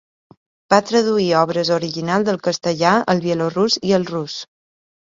Va traduir obres originals del castellà al bielorús i al rus.